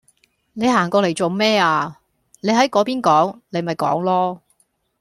你行過嚟做咩呀，你喺嗰邊講你咪講囉